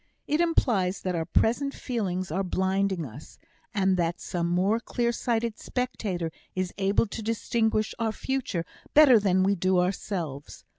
It implies that our present feelings are blinding us, and that some more clear sighted spectator is able to distinguish our future better than we do ourselves.